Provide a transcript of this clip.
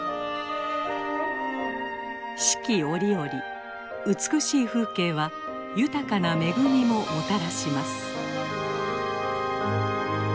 四季折々美しい風景は豊かな恵みももたらします。